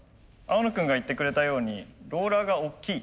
青野君が言ってくれたようにローラーがおっきい。